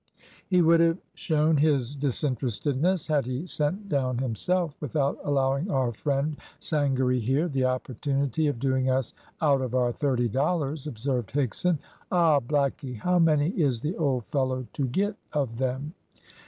"He would have shown his disinterestedness had he sent down himself, without allowing our friend Sangaree here the opportunity of doing us out of our thirty dollars," observed Higson. "Ah, blackie, how many is the old fellow to get of them?"